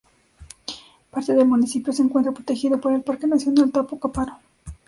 Parte del municipio se encuentra protegido por el Parque nacional Tapo-Caparo.